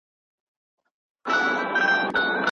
هغه لس سېبه يووړل.